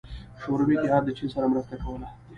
شوروي اتحاد له چین سره مرسته کوله.